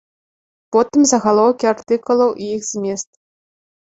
Потым загалоўкі артыкулаў і іх змест.